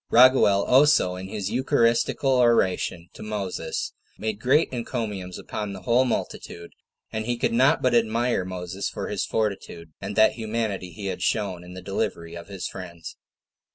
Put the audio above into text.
Raguel also, in his eucharistical oration to Moses, made great encomiums upon the whole multitude; and he could not but admire Moses for his fortitude, and that humanity he had shewn in the delivery of his friends.